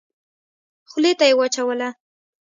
خولې ته يې واچوله.